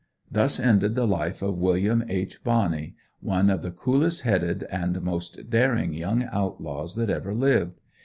Thus ended the life of William H. Bonney, one of the coolest headed, and most daring young outlaws that ever lived.